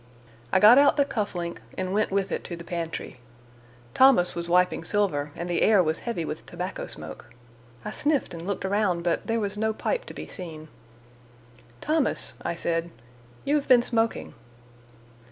I got out the cuff link and went with it to the pantry. Thomas was wiping silver and the air was heavy with tobacco smoke. I sniffed and looked around, but there was no pipe to be seen. "Thomas," I said, "you have been smoking."